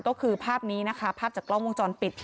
ก็คือภาพนี้นะคะภาพจากกล้องวงจรปิด